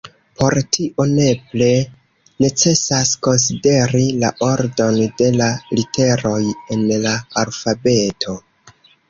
Por tio nepre necesas konsideri la ordon de la literoj en la alfabeto.